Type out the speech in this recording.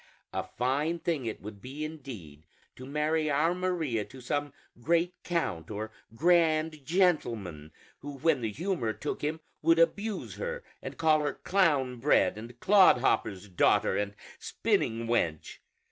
A fine thing it would be, indeed, to marry our Maria to some great count or grand gentleman who when the humor took him would abuse her, and call her 'clown bred' and 'clodhopper's daughter' and 'spinning wench.'